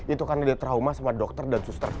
itu karena dia trauma sama dokter dan suster